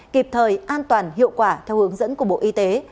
kịp thời an toàn hiệu quả theo hướng dẫn của bộ y tế